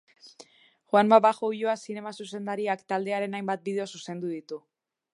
Juanma Bajo Ulloa zinema zuzendariak taldearen hainbat bideo zuzendu ditu.